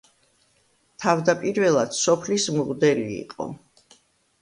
თავდაპირველად სოფლის მღვდელი იყო.